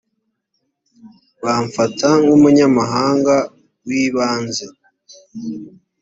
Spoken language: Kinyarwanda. bamfata nk umunyamahanga wibanze